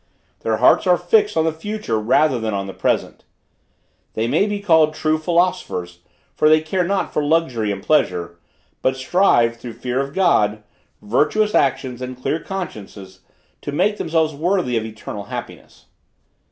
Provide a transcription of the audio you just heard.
Their hearts are fixed on the future rather than on the present. They may be called true philosophers, for they care not for luxury and pleasure, but strive through fear of God, virtuous actions, and clear consciences, to make themselves worthy of eternal happiness.